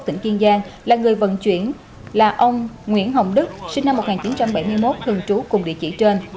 tỉnh kiên giang là người vận chuyển là ông nguyễn hồng đức sinh năm một nghìn chín trăm bảy mươi một thường trú cùng địa chỉ trên